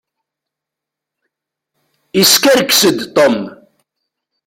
Iskerkes-d Tom.